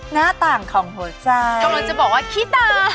หน้าต่างของหัวใจกำลังจะบอกว่าขี้ตา